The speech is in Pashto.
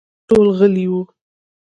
ټول غلي وو.